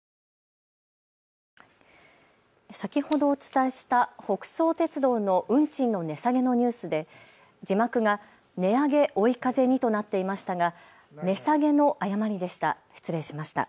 先ほどお伝えした北総鉄道の運賃の値下げのニュースで字幕が値上げ追い風にとなっていましたが値下げの誤りでした。